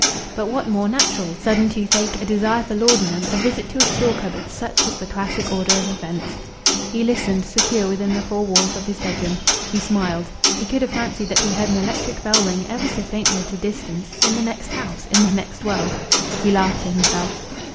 But what more natural? Sudden toothache a desire for laudanum a visit to a store cupboard: such was the classic order of events. He listened, secure within the four walls of his bedroom. He smiled. He could have fancied that he heard an electric bell ring ever so faintly at a distance in the next house, in the next world. He laughed to himself.